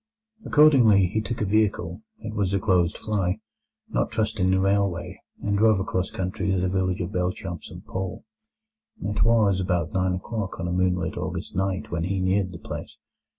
Accordingly he took a vehicle—it was a closed fly—not trusting the railway and drove across country to the village of Belchamp St Paul. It was about nine o'clock on a moonlight August night when he neared the place.